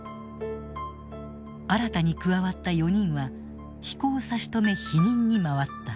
新たに加わった４人は飛行差し止め否認に回った。